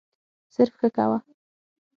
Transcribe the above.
صرف «ښه» کوه.